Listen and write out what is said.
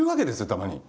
たまに。